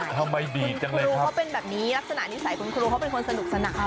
ทำไมดีดจังเลยครูเขาเป็นแบบนี้ลักษณะนิสัยคุณครูเขาเป็นคนสนุกสนาน